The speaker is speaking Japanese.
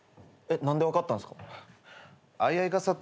何で分かったんすか？